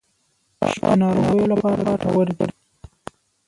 شات د ناروغیو لپاره ګټور دي.